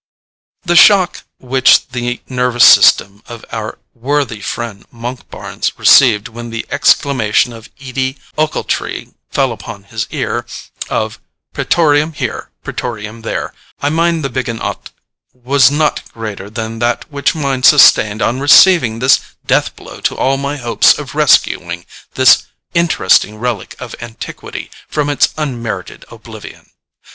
The shock which the nervous system of our worthy friend Monkbarns received when the exclamation of Edie Ochiltree fell upon his ear, of 'Pretorium here, pretorium there, I mind the biggin' o't,' was not greater than that which mine sustained on receiving this death blow to all my hopes of rescuing this interesting relic of antiquity from its unmerited oblivion.